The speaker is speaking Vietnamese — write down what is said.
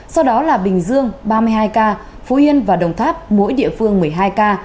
sau đó là bình dương ba mươi hai ca phú yên và đồng tháp mỗi địa phương một mươi hai ca